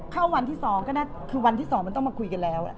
เข้าวันที่สองคือวันที่สองมันต้องมาคุยกันแล้ว